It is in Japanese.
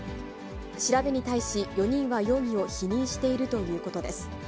調べに対し、４人は容疑を否認しているということです。